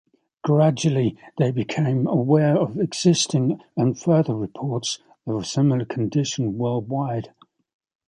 Gradually, they became aware of existing and further reports of a similar condition worldwide.